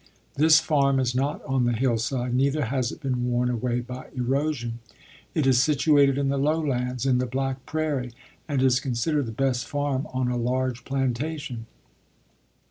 This farm is not on the hillside, neither has it been worn away by erosion. It is situated in the lowlands, in the black prairie, and is considered the best farm on a large plantation.